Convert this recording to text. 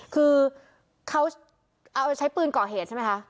คือเขาใช้ปืนก่อเหตุใช่ไหมคะ